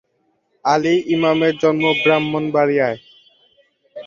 আলী ইমামের জন্ম ব্রাহ্মণবাড়িয়ায়।